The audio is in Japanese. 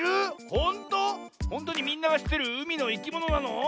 ほんとにみんながしってるうみのいきものなの？